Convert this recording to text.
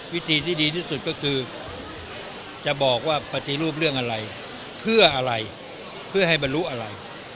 วิธีที่ดีที่สุดก็คือจะบอกว่าปฏิรูปเรื่องอะไรเพื่ออะไรเพื่อให้บรรลุอะไร